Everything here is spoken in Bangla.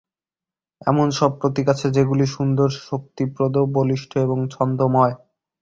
এমন সব প্রতীক আছে, যেগুলি সুন্দর, শক্তিপ্রদ, বলিষ্ঠ এবং ছন্দোময়।